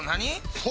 そう！